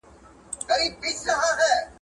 ته مه اجازه ورکوه چې څوک شنه ونې وهي.